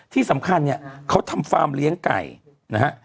ที่สำคัญเนี่ยเขาทำฟาร์มเลี้ยงไก่นะฮะ